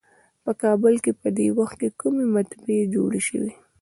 په کابل کې په دې وخت کومې مطبعې جوړې شوې.